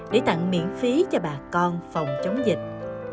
để tặng miễn phí cho bà con phòng chống dịch